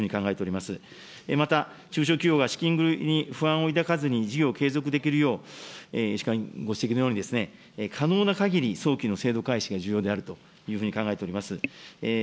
また、中小企業が資金繰りに不安を抱かずに事業継続できるよう、石川委員ご指摘のように、可能なかぎり、早期の制度開始が重要であるというふうに考えております。